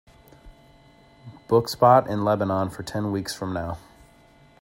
book spot in Lebanon for ten weeks from now